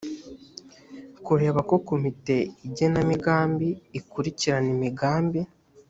kureba ko komite ngenamigambi ikurikirana imigambi